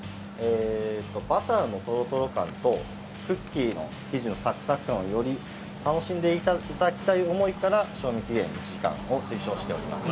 バターのとろとろ感とクッキーの生地のサクサク感をより楽しんでいただくために賞味期限１時間を推奨しております。